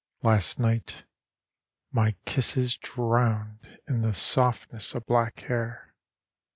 Last night my kisses drowned in the softness of black hair.